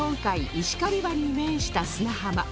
石狩湾に面した砂浜